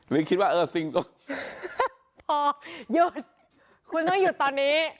คิดว่าเออซิงพอหยุดคุณต้องหยุดตอนนี้